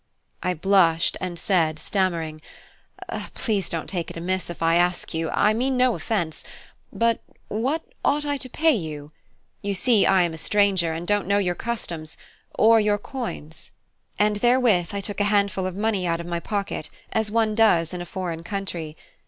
I blushed, and said, stammering, "Please don't take it amiss if I ask you; I mean no offence: but what ought I to pay you? You see I am a stranger, and don't know your customs or your coins." And therewith I took a handful of money out of my pocket, as one does in a foreign country.